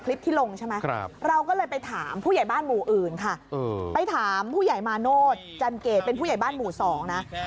คลิปที่ลงใช่ไหมเราก็เลยไปถามผู้ใหญ่บ้านหมู่อื่นค่ะไปถามผู้ใหญ่มาโนธจันเกตเป็นผู้ใหญ่บ้านหมู่๒นะ